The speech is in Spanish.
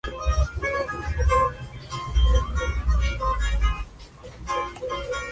Sus estudios se encontraban en el barrio Los Cortijos de Lourdes.